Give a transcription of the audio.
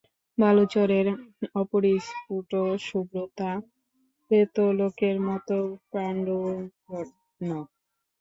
বালুচরের অপরিস্ফুট শুভ্রতা প্রেতলোকের মতো পাণ্ডুবর্ণ।